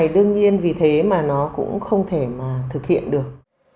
đương nhiên vì thế mà nó cũng không thể mà thực hiện được